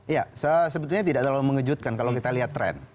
ya sebetulnya tidak terlalu mengejutkan kalau kita lihat tren